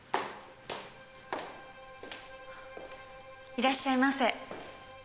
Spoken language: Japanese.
いらっしゃいませ。